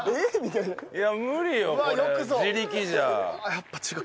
やっぱ違う。